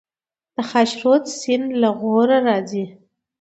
د خاشرود سیند له غور راځي